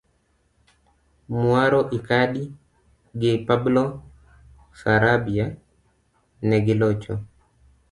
Muaro Icardi gi Pablo Sarabia negilocho